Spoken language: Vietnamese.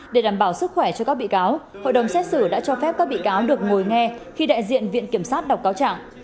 để đảm bảo sức khỏe cho các bị cáo hội đồng xét xử đã cho phép các bị cáo được ngồi nghe khi đại diện viện kiểm sát đọc cáo trả